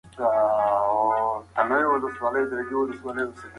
خنډونه بايد لري کړل سي.